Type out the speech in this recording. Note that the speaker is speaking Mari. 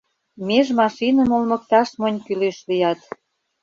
Меж машиным олмыкташ монь кӱлеш лият.